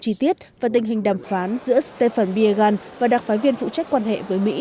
chi tiết và tình hình đàm phán giữa stephen biegal và đặc phái viên phụ trách quan hệ với mỹ